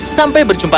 aku akan mencoba